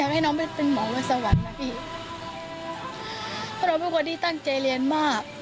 ให้น้องไปเป็นหมอบนสวรรค์นะพี่เพราะน้องเป็นคนที่ตั้งใจเรียนมาก